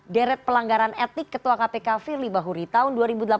deret pelanggaran etik ketua kpk firly bahuri tahun dua ribu delapan belas